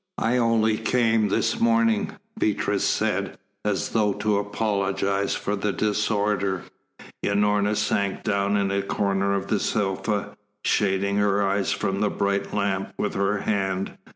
"I only came this morning," Beatrice said, as though to apologise for the disorder. Unorna sank down in a corner of the sofa, shading her eyes from the bright lamp with her hand.